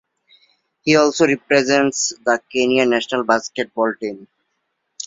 He also represents the Kenya national basketball team.